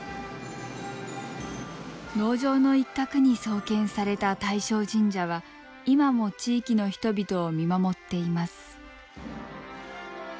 農場の一画に創建された大勝神社は今も地域の人々を見守っています。